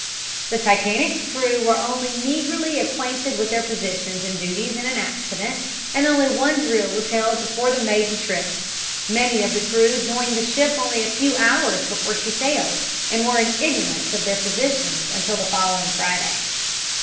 The Titanic's crew were only meagerly acquainted with their positions and duties in an accident and only one drill was held before the maiden trip. Many of the crew joined the ship only a few hours before she sailed and were in ignorance of their positions until the following Friday.